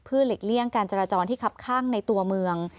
เพื่อหลีกเลี่ยงจรจรที่ขับข้างในตัวเมือง